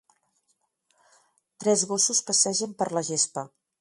Tres gossos passegen per la gespa.